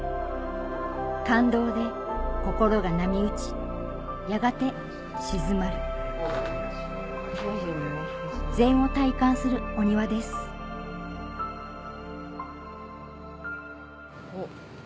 感動で心が波打ちやがて静まる禅を体感するお庭ですおっ